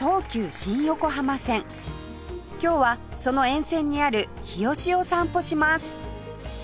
今日はその沿線にある日吉を散歩します